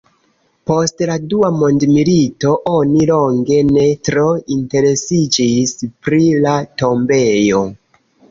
Post la Dua mondmilito oni longe ne tro interesiĝis pri la tombejo.